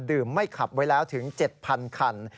ไม่ขับไว้แล้วถึง๗๐๐คัน